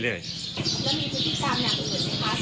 เรียกเข้าห้องไปคุยกัน